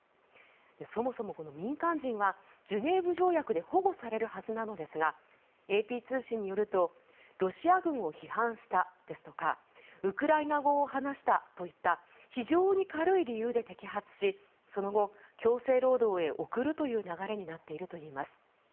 そもそも、民間人はジュネーブ条約で保護されるはずなのですがＡＰ通信によるとロシア軍を批判したですとかウクライナ語を話したといった非常に軽い理由で摘発しその後、強制労働へ送る流れになっているといいます。